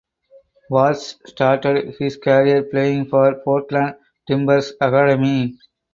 Watts started his career playing for Portland Timbers Academy.